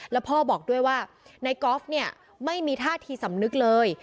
แล้วพ่อบอกด้วยว่านายกอล์ฟเนี่ยไม่มีท่าทีสำนึกเลย